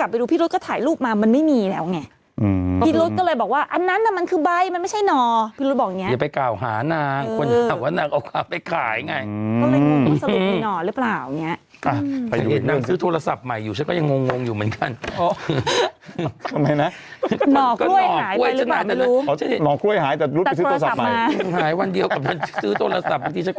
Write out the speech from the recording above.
ครับไม่นะวัยหายเสนอคร่วยหายแต่ซื้อไม่พายวันเดียวกับนั้นซื้อโทรศัพท์เมย์